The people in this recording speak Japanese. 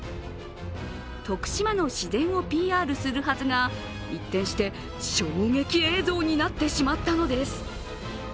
徳島の自然をＰＲするはずが、一転して衝撃映像になってしまったのです。